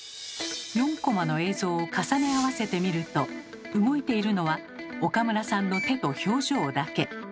４コマの映像を重ね合わせてみると動いているのは岡村さんの手と表情だけ。